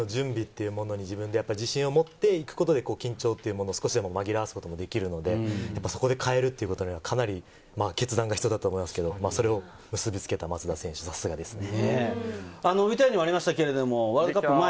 自信を持っていくことで緊張というの少しでも紛らわすことができるので、そこで変えるというのは、かなり決断が必要だと思いますが、それを結びつけた松田選手、さすがですね。